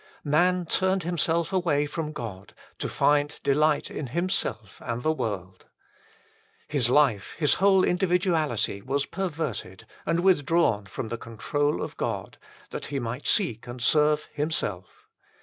Man turned himself away from God to find delight in himself and the world. His life, his whole individuality, was perverted and withdrawn from the control of God that he might seek and serve himself.